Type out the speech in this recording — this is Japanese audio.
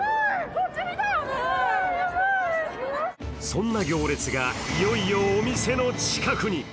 そんな行列がいよいよお店の近くに。